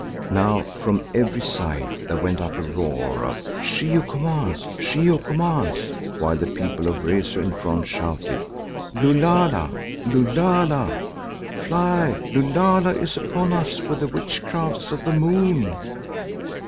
Now from every side there went up a roar of "She who commands! She who commands!" while the people of Rezu in front shouted "Lulala! Lulala! Fly, Lulala is upon us with the witchcrafts of the moon!"